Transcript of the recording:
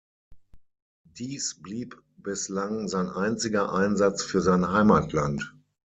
Dies blieb bislang sein einziger Einsatz für sein Heimatland.